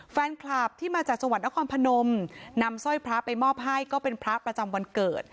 แฟนคลับที่มาจากจังหวัดนครพนมนำสร้อยพระไปมอบให้ก็เป็นพระประจำวันเกิด